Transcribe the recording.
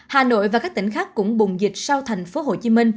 hà nội và các tỉnh khác cũng bùng dịch sau tp hcm